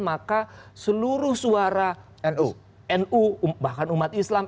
maka seluruh suara nu bahkan umat islam